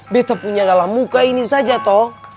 beto punya dalam muka ini saja toh